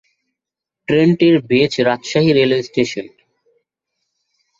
ট্রেনটির base Rajshahi railway station.